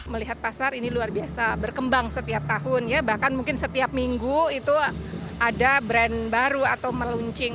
melihat pasar ini luar biasa berkembang setiap tahun ya bahkan mungkin setiap minggu itu ada brand baru atau meluncing